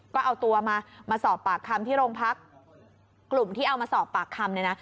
ก็เอาตัวมามาสอบปากคำที่โรงพักกลุ่มที่เอามาสอบปากคำเนี่ยนะ